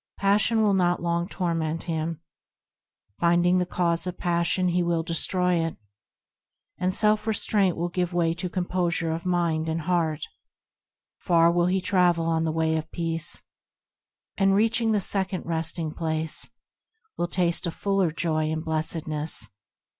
Passion will not long torment him ; Finding the cause of passion, he will destroy it, And self restraint will give way to composure of mind and heart, Far will he travel on the Way of Peace, And, reaching the second Resting Place, Will taste of fuller joy and blessedness.